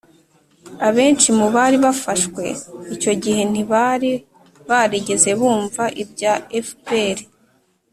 abenshi mu bari bafashwe icyo gihe ntibari barigeze bumva ibya fpr.